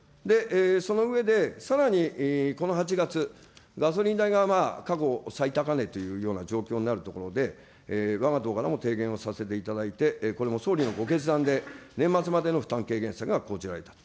その上で、さらにこの８月、ガソリン代が過去最高値というような状況になるところで、わが党からも提言をさせていただいて、これも総理のご決断で、年末までの負担軽減策が講じられたと。